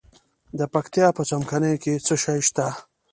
د پکتیا په څمکنیو کې څه شی شته؟